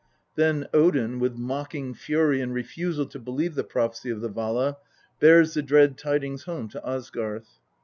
Then Odin, with mocking fury and refusal to believe the prophecy of the Vala, bears the dread tidings home to Asgarth.